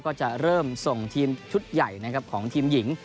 ก็จะเริ่มส่งทีมชุดใหญ่นะครับของทีมหญิง